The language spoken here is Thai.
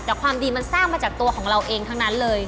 แต่ความดีมันสร้างมาจากตัวของเราเองทั้งนั้นเลย